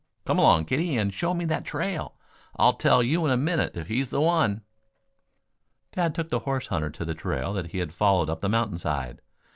Come along, kiddie, and show me that trail. I'll tell you in a minute if he's the one." Tad took the horse hunter to the trail that he had followed up the mountain side.